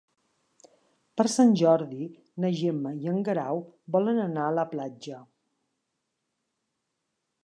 Per Sant Jordi na Gemma i en Guerau volen anar a la platja.